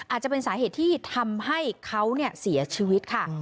อาจจะเป็นสาเหตุที่ทำให้เขาเสียชีวิตค่ะ